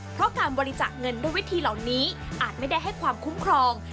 เพราะการบริจาคเงินด้วยวิธีเหล่านี้อาจไม่ได้ให้ความคุ้มครอง